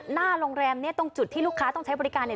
หน้าโรงแรมเนี่ยตรงจุดที่ลูกค้าต้องใช้บริการเนี่ย